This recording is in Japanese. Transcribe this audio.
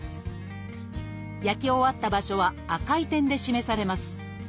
焼き終わった場所は赤い点で示されます。